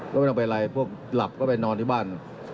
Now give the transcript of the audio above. ก็ไม่ต้องไปไรพวกหลับก็ไปนอนที่บ้าน